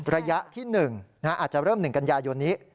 ระยะที่๑อาจจะเริ่ม๑กันยายนนี้